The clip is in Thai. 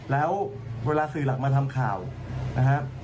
แล้วเวลาสื่อหลักมาทำข่าวนะครับ